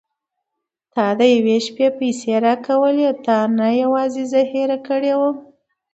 تا د یوې شپې پيسې راکولې تا نه یوازې زه هېره کړې وم.